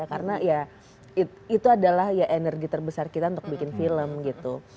karena ya itu adalah ya energi terbesar kita untuk bikin film gitu